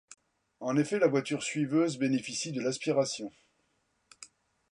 En effet, la voiture suiveuse bénéficie de l'aspiration.